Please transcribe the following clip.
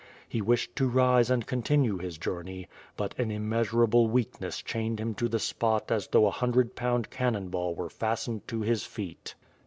He wished to rise and continue his journey, but an immeasurable weak ness chained him to the spot as though a hundred pound cannon ball were fastened to his feet.